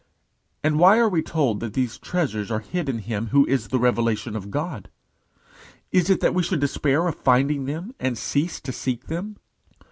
And why are we told that these treasures are hid in him who is the Revelation of God? Is it that we should despair of finding them and cease to seek them?